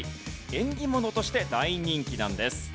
縁起物として大人気なんです。